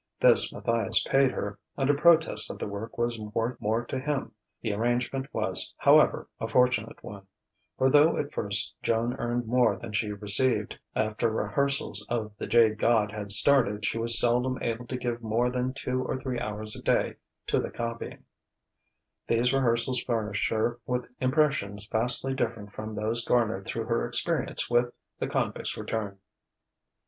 This Matthias paid her, under protest that the work was worth more to him. The arrangement was, however, a fortunate one; for though at first Joan earned more than she received, after rehearsals of "The Jade God" had started she was seldom able to give more than two or three hours a day to the copying. These rehearsals furnished her with impressions vastly different from those garnered through her experience with "The Convict's Return."